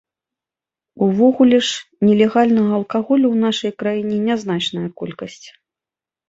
Увогуле ж, нелегальнага алкаголю ў нашай краіне нязначная колькасць.